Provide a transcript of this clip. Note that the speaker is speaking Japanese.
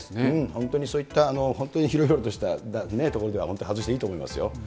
本当にそういった本当に広々とした所では本当、外していいと思いますよ。